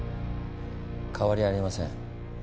変わりありません。